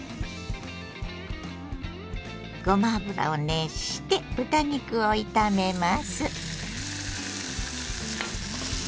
ごま油を熱して豚肉を炒めます。